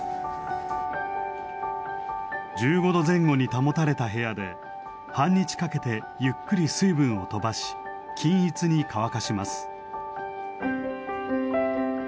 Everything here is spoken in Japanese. １５度前後に保たれた部屋で半日かけてゆっくり水分を飛ばし均一に乾かします。